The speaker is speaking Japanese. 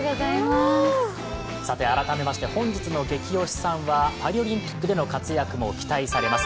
改めまして、本日のゲキ推しさんはパリオリンピックでの活躍も期待されます。